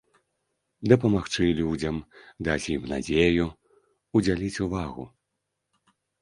Дапамагчы людзям, даць ім надзею, удзяліць увагу.